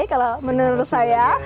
kalau menurut saya